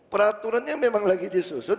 peraturannya memang lagi disusun